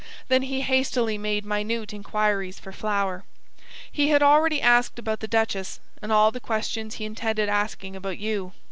Then he hastily made minute inquiries for Flower. He had already asked about the duchess all the questions he intended asking about you.